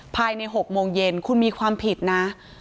ภายใน๖โมงเย็นคุณมีความผิดนะ